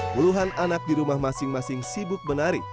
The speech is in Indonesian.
puluhan anak di rumah masing masing sibuk menari